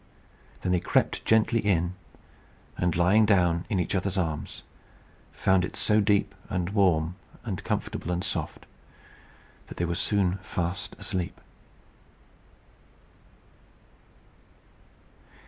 Then they crept gently in, and, lying down in each other's arms, found it so deep, and warm, and comfortable, and soft, that they were soon fast asleep.